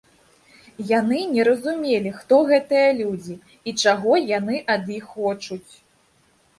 Яны не разумелі, хто гэтыя людзі, чаго яны ад іх хочуць.